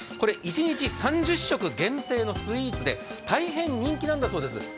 一日３０食限定のスイーツで大変人気なんだそうです。